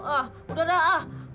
ah udah dah